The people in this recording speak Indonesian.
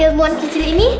ilmuwan kecil ini